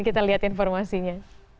kita lihat informasinya